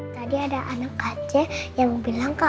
tadi ada anak kakek yang bilang ke aku